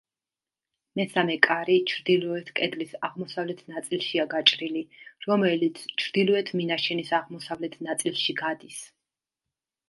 მესამე კარი ჩრდილოეთ კედლის აღმოსავლეთ ნაწილშია გაჭრილი, რომელიც ჩრდილოეთ მინაშენის აღმოსავლეთ ნაწილში გადის.